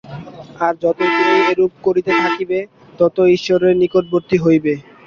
আর যতই তুমি এইরূপ করিতে থাকিবে, ততই ঈশ্বরের নিকটবর্তী হইবে।